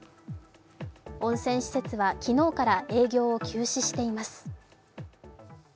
温泉施設は昨日から営業を休止しています。